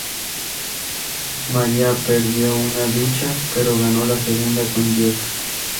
Maria perdió una lucha, pero ganó la segunda con Jeff.